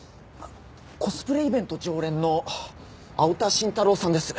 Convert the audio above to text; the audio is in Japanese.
コスプレイベント常連の青田晋太郎さんです。